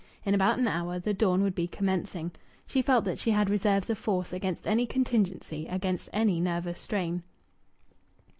In about an hour the dawn would be commencing. She felt that she had reserves of force against any contingency, against any nervous strain.